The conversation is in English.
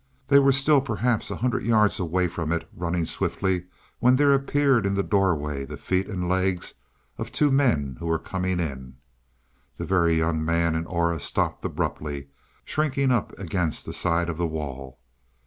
They were still perhaps a hundred yards away from it, running swiftly, when there appeared in the doorway the feet and legs of two men who were coming in. The Very Young Man and Aura stopped abruptly, shrinking up against the side of the wall.